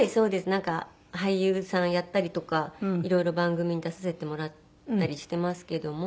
なんか俳優さんやったりとか色々番組に出させてもらったりしていますけども。